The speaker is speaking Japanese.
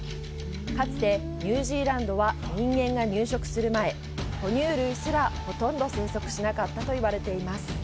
かつて、ニュージーランドは人間が入植する前、ほ乳類すら、ほとんど生息しなかったと言われています。